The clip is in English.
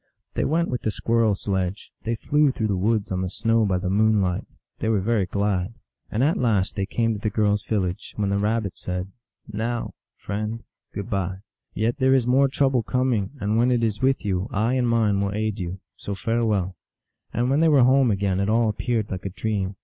They went with the squirrel sledge ; they flew through the woods on the snow by the moonlight; they were very glad. And at last they came to the 230 THE ALGONQUIN LEGENDS. girl s village, when the Rabbit said, " Now, friend, good by. Yet there is more trouble coming, and when it is with you I and mine will aid you. So farewell." And when they were home again it all appeared like a dream.